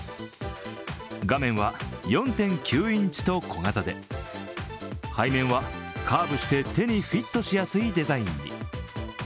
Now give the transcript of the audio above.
画面は４．９インチと小型で背面はカーブして手にフィットしやすいデザインに。